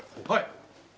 はい。